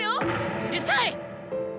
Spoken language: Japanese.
「うるさいっ！」。